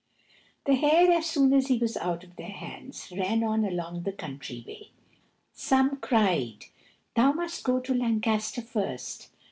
The hare, as soon as he was out of their hands, ran on along the country way. Some cried, "Thou must go to Lancaster first."